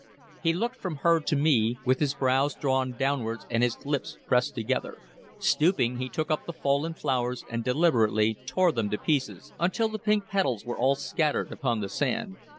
He looked from her to me, with his brows drawn downwards and his lips pressed together. Stooping, he took up the fallen flowers and deliberately tore them to pieces, until the pink petals were all scattered upon the sand.